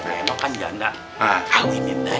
udah enggak kawinin aja